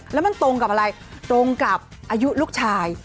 แล้วมันตรงกับอะไรตรงกับอายุลูกชาย